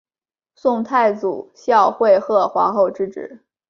宋太祖孝惠贺皇后之侄。